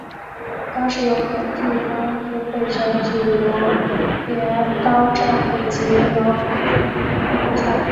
当时永平地方议会选举是由联盟政府及劳工党参与竞选。